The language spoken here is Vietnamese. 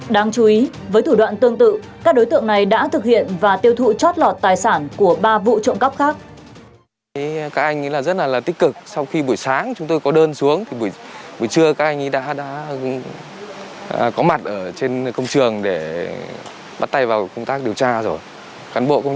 đáng chú ý với thủ đoạn tương tự các đối tượng này đã thực hiện và tiêu thụ chót lọt tài sản của ba vụ trộm cắp khác